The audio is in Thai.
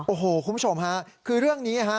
โอ้โหคุณผู้ชมฮะคือเรื่องนี้ฮะ